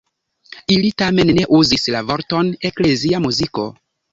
Ili tamen ne uzis la vorton „eklezia muziko“.